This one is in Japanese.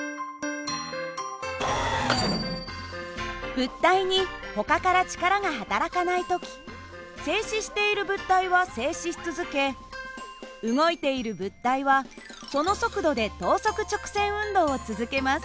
物体にほかから力がはたらかない時静止している物体は静止し続け動いている物体はその速度で等速直線運動を続けます。